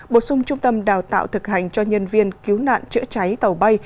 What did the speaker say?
bổ sung trung tâm đào tạo thực hành cho nhân viên cứu nạn chữa cháy tàu bay